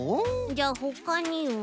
じゃあほかには。